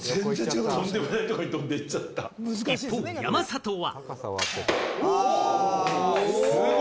一方、山里は。